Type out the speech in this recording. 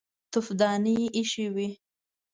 تفدانۍ ايښې وې.